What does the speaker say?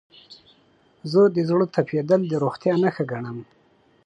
زه د زړه تپیدل د روغتیا نښه ګڼم.